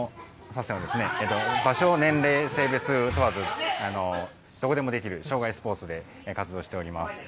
サッセンは場所、年齢、性別問わず、どこでもできる生涯スポーツで活動しております。